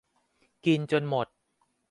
กินจดหมด